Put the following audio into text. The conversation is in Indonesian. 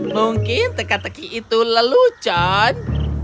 mungkin tegak tegak itu lelucon